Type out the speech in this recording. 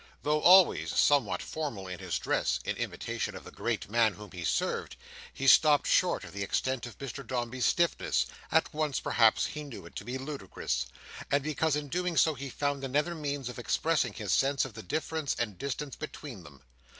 Though always somewhat formal, in his dress, in imitation of the great man whom he served, he stopped short of the extent of Mr Dombey's stiffness: at once perhaps because he knew it to be ludicrous, and because in doing so he found another means of expressing his sense of the difference and distance between them.